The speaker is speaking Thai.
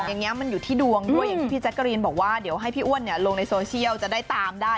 อย่างนี้มันอยู่ที่ดวงด้วยอย่างที่พี่แจ๊กกะรีนบอกว่าเดี๋ยวให้พี่อ้วนลงในโซเชียลจะได้ตามได้